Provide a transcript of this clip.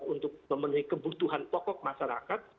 untuk memenuhi kebutuhan pokok masyarakat